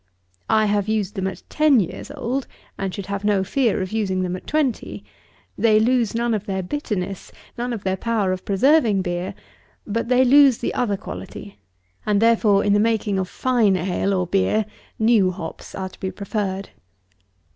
I have used them at ten years old, and should have no fear of using them at twenty. They lose none of their bitterness; none of their power of preserving beer; but they lose the other quality; and therefore, in the making of fine ale, or beer, new hops are to be preferred.